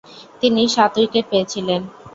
তিনি সাত উইকেট পেয়েছিলেন।